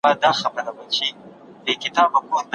د هغه مطالعاتو لومړۍ موخه تاييد کړه.